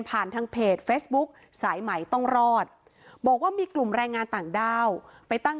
ทางเพจเฟซบุ๊คสายใหม่ต้องรอดบอกว่ามีกลุ่มแรงงานต่างด้าวไปตั้ง